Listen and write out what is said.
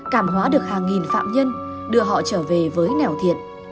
cảm hóa được hàng nghìn phạm nhân đưa họ trở về với nẻo thiện